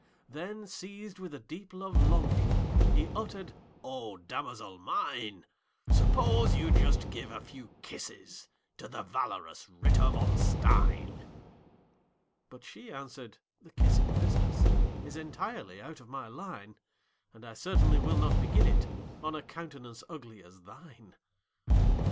Then, seized with a deep love longing, He uttered, "O damosel mine, Suppose you just give a few kisses To the valorous Ritter von Stein!" But she answered, "The kissing business Is entirely out of my line; And I certainly will not begin it On a countenance ugly as thine!"